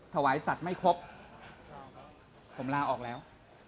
ถวายสัตว์ไม่ครบผมลาออกแล้ว